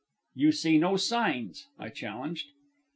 "You see no signs," I challenged.